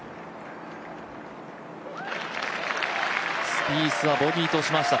スピースはボギーとしました。